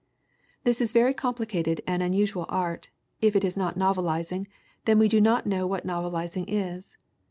This is very complicated and unusual art if it is not novelizing, then we do not know what novelizing is.